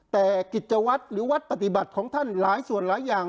แต่กิจวัตรหรือวัดปฏิบัติของท่านหลายส่วนหลายอย่าง